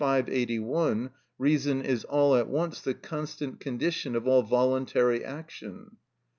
581, reason is all at once the constant condition of all voluntary action.